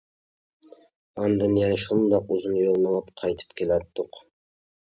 ئاندىن يەنە شۇنداق ئۇزۇن يول مېڭىپ قايتىپ كېلەتتۇق.